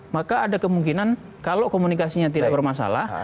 maka ada kemungkinan kalau komunikasinya tidak bermasalah